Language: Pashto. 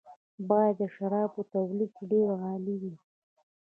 باید د شرابو تولید یې ډېر عالي وي.